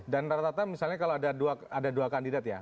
dan rata rata misalnya kalau ada dua kandidat ya